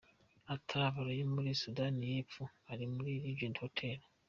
Atlabara yo muri Sudani y’Epfo iri muri Legend Hotel.